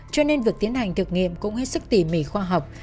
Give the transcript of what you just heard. cho nên việc tiến hành thực nghiệm cũng hết sức tỉ mỉ khoa học